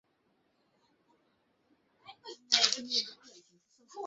গতকাল বৃহস্পতিবার বিকেলে মধ্য পাইকপাড়ার বাসার সামনে থেকে তাঁকে গ্রেপ্তার করা হয়।